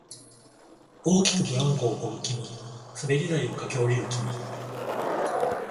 大きくブランコをこぐ君、滑り台を駆け下りる君、